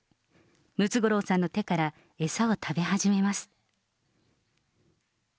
ムツゴロウさんの手から餌を食べ始めます。